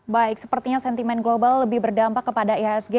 baik sepertinya sentimen global lebih berdampak kepada ihsg